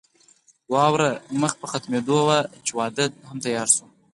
واوره مخ په ختمېدو وه چې واده هم تيار شو.